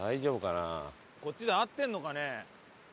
こっちで合ってんのかね？